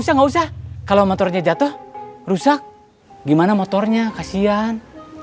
saya nggak usah kalau motornya jatuh rusak gimana motornya kasian